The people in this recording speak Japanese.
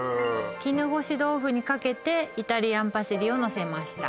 絹ごし豆腐にかけてイタリアンパセリをのせました